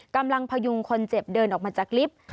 พยุงคนเจ็บเดินออกมาจากลิฟต์